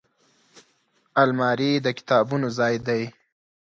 الماري د کتابونو ځای دی